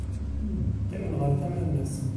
Qqimen ɣer tama-nnes.